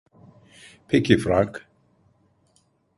Peki Frank.